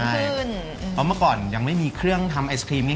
เพราะเมื่อก่อนยังไม่มีเครื่องทำไอศครีมนี่